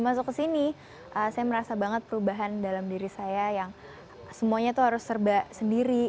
masuk ke sini saya merasa banget perubahan dalam diri saya yang semuanya tuh harus serba sendiri